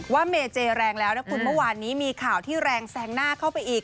เมเจแรงแล้วนะคุณเมื่อวานนี้มีข่าวที่แรงแซงหน้าเข้าไปอีก